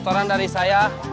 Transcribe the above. terima kasih bu